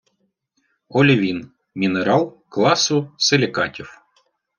Олівін – мінерал класу силікатів.